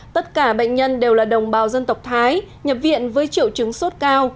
tất cả bệnh nhân đều là đồng bào dân tộc thái nhập viện với triệu chứng sốt cao